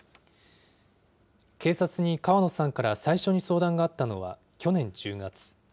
警察に川野さんから最初に相談があったのは去年１０月。